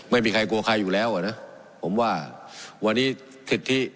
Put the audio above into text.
ไม่มีใครกลัวใครอยู่แล้วอ่ะนะผมว่าวันนี้สิทธิ